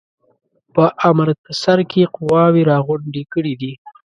په امرتسر کې قواوي را غونډي کړي دي.